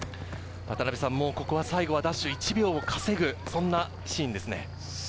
ここは最後はダッシュ、１秒を稼ぐ、そんなシーンですね。